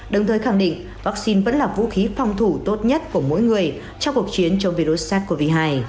đồng thời khẳng định vaccine vẫn là vũ khí phòng thủ tốt nhất của mỗi người trong cuộc chiến chống virus sars cov hai